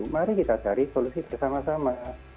mari kita cari solusi bersama sama